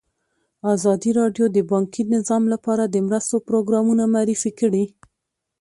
ازادي راډیو د بانکي نظام لپاره د مرستو پروګرامونه معرفي کړي.